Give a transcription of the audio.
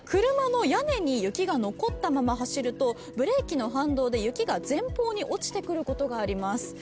車の屋根に雪が残ったまま走るとブレーキの反動で雪が前方に落ちてくることがあります。